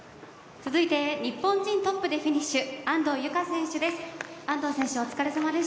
続いて日本人トップでフィニッシュ安藤友香選手です。